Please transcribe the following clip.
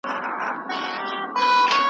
تشه لاسه ته مي دښمن یې `